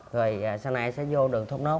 rồi sau này sẽ vô đường thốt nốt